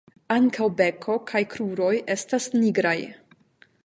Ankaŭ beko kaj kruroj estas nigraj.